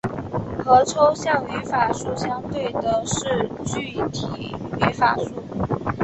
和抽象语法树相对的是具体语法树。